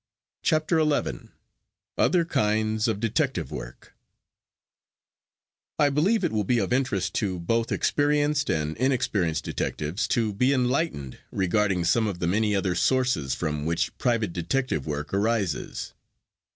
CHAPTER XI OTHER KINDS OF DETECTIVE WORK I believe it will be of interest to both experienced and inexperienced detectives to be enlightened regarding some of the many other sources from which private detective work arises.